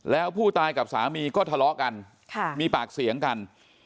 แล้วผู้ตายกับสามีก็ทะเลาะกันมีปากเสียงกัน